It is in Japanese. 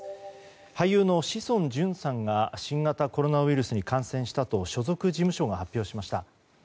俳優の志尊淳さんが新型コロナウイルスに感染したと所属事務所が発表しました。